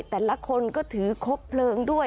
แต่ละคนก็ถือครบเพลิงด้วย